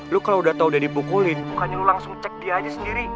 lu kalau udah tahu dia dipukulin bukannya lu langsung cek dia aja sendiri